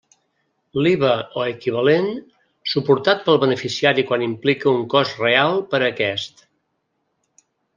L'IVA o equivalent, suportat pel beneficiari quan implique un cost real per a aquest.